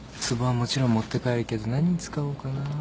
つぼはもちろん持って帰るけど何に使おうかな。